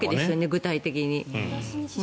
具体的に。